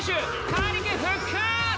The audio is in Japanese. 怪力復活！